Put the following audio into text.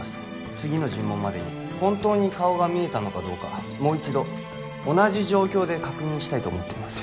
次の尋問までに本当に顔が見えたのかどうかもう一度同じ状況で確認したいと思っています